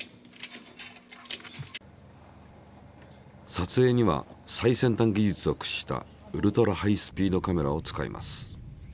さつえいには最先端技術を駆使したウルトラハイスピードカメラを使います。